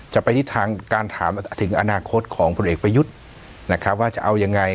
จะไปทิศทางการถามถึงอนาคตของผลเอกประยุทธ์นะครับว่าจะเอายังไง